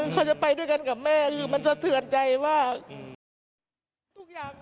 เข้าจะไปด้วยกันกับแม่คือมันเชิญใจมาก